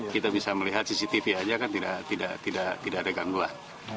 kita bisa melihat cctv aja kan tidak ada gangguan